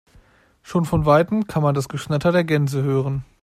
Schon von weitem kann man das Geschnatter der Gänse hören.